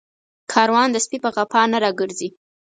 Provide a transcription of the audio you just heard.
کاروان د سپي په غپا نه راگرځي